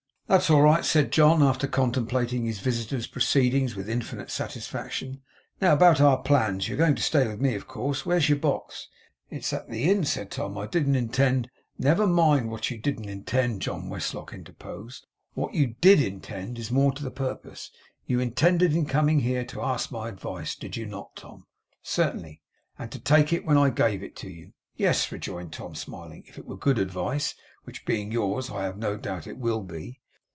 'That's all right,' said John, after contemplating his visitor's proceedings with infinite satisfaction. 'Now, about our plans. You are going to stay with me, of course. Where's your box?' 'It's at the Inn,' said Tom. 'I didn't intend ' 'Never mind what you didn't intend,' John Westlock interposed. 'What you DID intend is more to the purpose. You intended, in coming here, to ask my advice, did you not, Tom?' 'Certainly.' 'And to take it when I gave it to you?' 'Yes,' rejoined Tom, smiling, 'if it were good advice, which, being yours, I have no doubt it will be.